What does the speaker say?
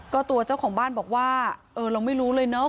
ก็ตัวเจ้าของบ้านบอกว่าเออเราไม่รู้เลยเนอะ